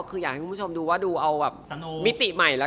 คืออยากให้คุณผู้ชมดูว่าดูเอาแบบมิติใหม่แล้ว